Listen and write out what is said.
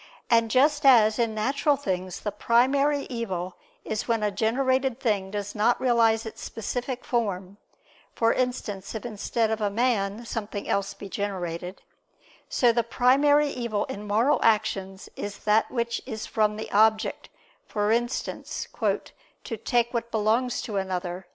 And just as, in natural things, the primary evil is when a generated thing does not realize its specific form (for instance, if instead of a man, something else be generated); so the primary evil in moral actions is that which is from the object, for instance, "to take what belongs to another."